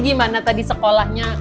gimana tadi sekolahnya